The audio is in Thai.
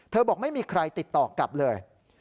บอกไม่มีใครติดต่อกลับเลย